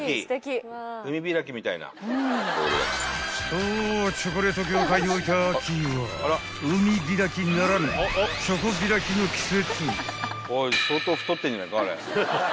［そうチョコレート業界において秋は海開きならぬチョコ開きの季節］